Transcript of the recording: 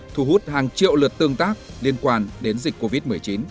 thu hút hàng triệu lượt tương tác liên quan đến dịch covid một mươi chín